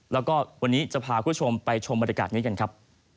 แล้วก็วันนี้จะพาคุณผู้ชมไปชมบรรยากาศนี้กันครับ